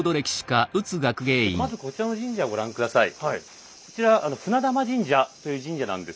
まずこちらの神社をご覧下さい。